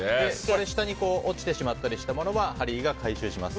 下に落ちてしまったりしたものはハリーが回収します。